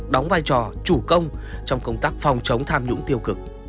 đóng vai trò chủ công trong công tác phòng chống tham nhũng tiêu cực